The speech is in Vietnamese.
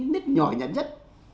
nít nhỏ nhắn nhất